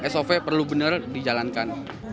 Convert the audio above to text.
sop perlu bener dijalankan